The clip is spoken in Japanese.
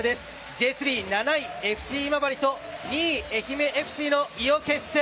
Ｊ３、７位、ＦＣ今治と２位、愛媛ＦＣの伊予決戦。